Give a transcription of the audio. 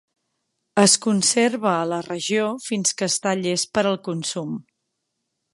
Es conserva a la regió fins que està llest per al consum.